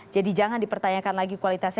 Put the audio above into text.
jadi jangan dipertanyakan lagi kualitasnya